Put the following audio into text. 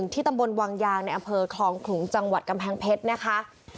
ตำบลวังยางในอำเภอคลองขลุงจังหวัดกำแพงเพชรนะคะ